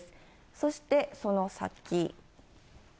そしてその先。